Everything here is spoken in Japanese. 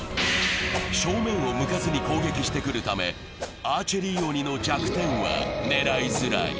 正面を向かずに攻撃してくるため、アーチェリー鬼の弱点は狙いづらい。